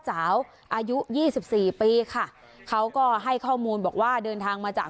สาวอายุยี่สิบสี่ปีค่ะเขาก็ให้ข้อมูลบอกว่าเดินทางมาจาก